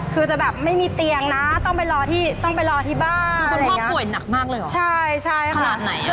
คือจะแบบไม่มีเตียงนะต้องไปรอที่บ้าน